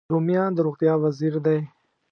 رومیان د روغتیا وزیر دی